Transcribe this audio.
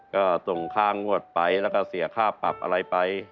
ก็ส่งค่างวดไปแล้วก็เสียค่าปรับอะไรไป